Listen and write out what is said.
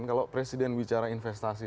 kalau presiden bicara investasi